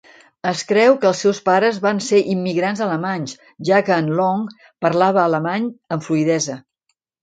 Es creu que els seus pares van ser immigrants alemanys, ja que en Long parlava alemany amb fluïdesa.